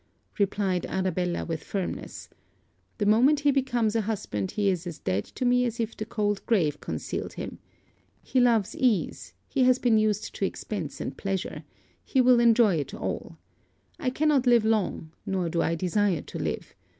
replied Arabella with firmness. 'The moment he becomes a husband, he is as dead to me as if the cold grave concealed him. He loves ease; he has been used to expence and pleasure he will enjoy it all. I cannot live long, nor do I desire to live.